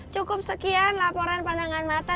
cukup sekian laporan pandangan mata